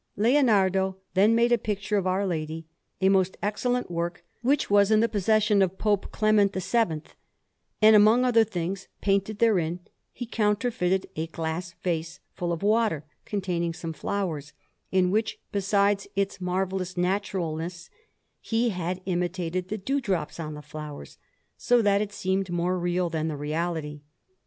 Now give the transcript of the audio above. Leonardo then made a picture of Our Lady, a most excellent work, which was in the possession of Pope Clement VII; and, among other things painted therein, he counterfeited a glass vase full of water, containing some flowers, in which, besides its marvellous naturalness, he had imitated the dew drops on the flowers, so that it seemed more real than the reality.